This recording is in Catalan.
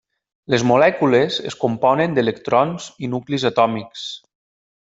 Les molècules es componen d'electrons i nuclis atòmics.